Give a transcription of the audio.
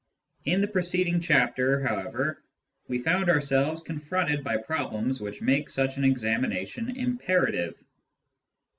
In the preceding chapter, however, we found ourselves confronted by problems which make such an examination imperative.